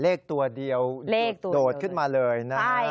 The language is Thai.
เลขตัวเดียวโดดขึ้นมาเลยนะฮะ